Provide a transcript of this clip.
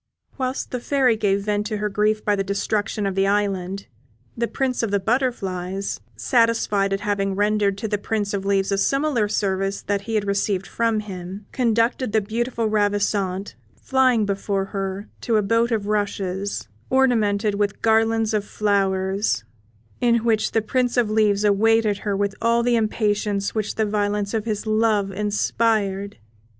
Whilst the Fairy gave vent to her grief by the destruction of the island, the Prince of the Butterflies, satisfied at having rendered to the Prince of Leaves a similar service to that he had received from him, conducted the beautiful Ravissante, flying before her, to a boat of rushes, ornamented with garlands of flowers, in which the Prince of Leaves awaited her with all the impatience which the violence of his love inspired.